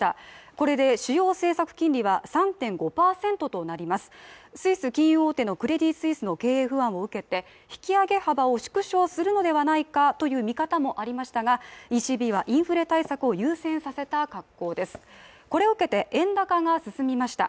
これで主要政策金利は３．５％となります、スイス大手のクレディ・スイスの経営不安を受けて、引き上げ幅を縮小するのではないかという見方もありましたが、ＥＣＢはインフレ対策を優先させた格好です、これを受けて円高が進みました。